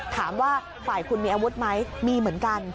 ถามว่าฝ่ายคุณมีอาวุธไหมมีเหมือนกัน